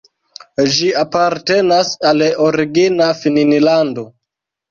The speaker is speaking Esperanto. Ĝi apartenas al Origina Finnlando.